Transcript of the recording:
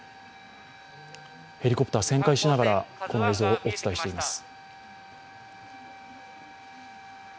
ヘリコプター、旋回しながらこの映像をお伝えしています。